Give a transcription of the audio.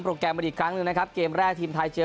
แกรมมาอีกครั้งหนึ่งนะครับเกมแรกทีมไทยเจอ